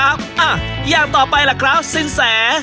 อ้าวย่างต่อไปล่ะครับซึ่งแส